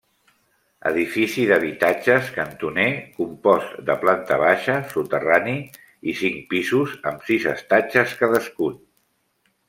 Edifici d'habitatges, cantoner, compost de planta baixa, soterrani i cinc pisos amb sis estatges cadascun.